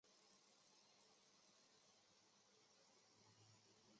强嘎日追位于拉萨市城关区蔡公堂乡白定村。